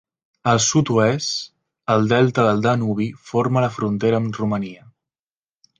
Al sud-oest, el delta del Danubi forma la frontera amb Romania.